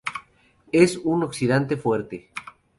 Es un oxidante fuerte.